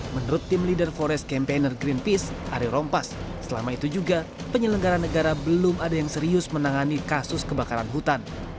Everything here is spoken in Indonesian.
menurut tim leader forest campaigner greenpeace ari rompas selama itu juga penyelenggara negara belum ada yang serius menangani kasus kebakaran hutan